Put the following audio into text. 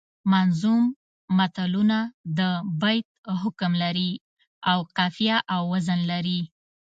منظوم متلونه د بیت حکم لري او قافیه او وزن لري